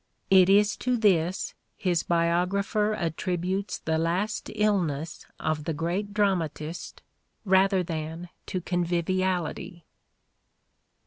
It is to this his biographer attributes the last illness of the great dramatist, rather than to conviviality.